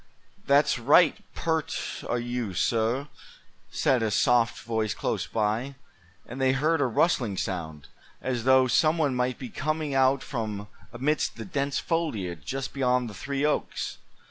"That's right peart o' you, suh," said a soft voice close by; and they heard a rustling sound, as though some one might be coming out from amidst the dense foliage just beyond the three oaks.